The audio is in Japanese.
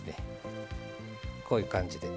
こういう感じで。